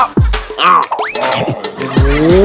อ่ะเร็วนะมาอีกแล้ว